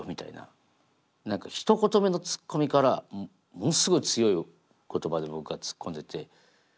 何かひと言目のツッコミからものすごい強い言葉で僕がツッコんでて。